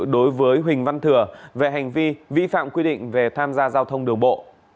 đối với huỳnh văn thừa về hành vi vi phạm quy định về tham gia giao thông đường bộ